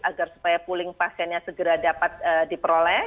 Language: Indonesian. agar supaya pooling pasiennya segera dapat diperoleh